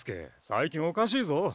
最近おかしいぞ。